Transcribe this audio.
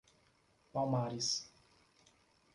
Palmares